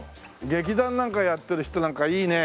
劇団なんかやってる人なんかいいね。